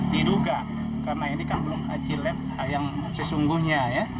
diduga karena ini kan belum hasil yang sesungguhnya